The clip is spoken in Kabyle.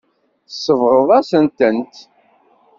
Tsebɣeḍ-asen-tent.